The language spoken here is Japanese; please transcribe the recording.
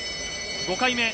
５回目。